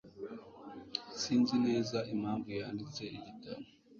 Sinzi neza impamvu yanditse igitabo.